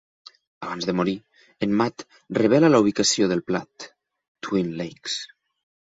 Abans de morir, en Matt revela la ubicació del plat: Twin Lakes.